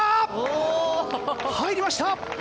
入りました！